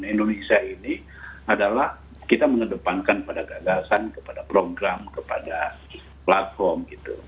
dalam konteks membangun indonesia ini adalah kita mengedepankan kepada gagasan kepada program kepada platform gitu